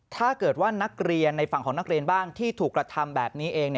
ถ้าเกิดว่านักเรียนในฝั่งของนักเรียนบ้างที่ถูกกระทำแบบนี้เอง